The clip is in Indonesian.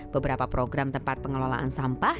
beberapa program tempat pengelolaan sampah